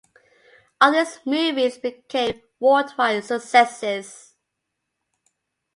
All these movies became worldwide successes.